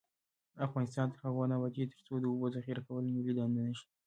افغانستان تر هغو نه ابادیږي، ترڅو د اوبو ذخیره کول ملي دنده نشي.